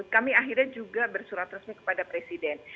kami akhirnya juga bersurat resmi kepada presiden